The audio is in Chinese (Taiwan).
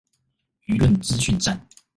輿論資訊戰